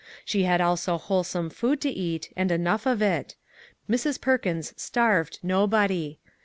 She had also wholesome food to eat, and enough of it; Mrs. Perkins starved nobody.